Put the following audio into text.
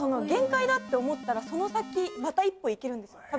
限界だって思ったらその先また一歩いけるんですよ。